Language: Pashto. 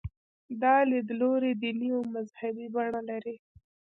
دا لیدلوری دیني او مذهبي بڼه لري.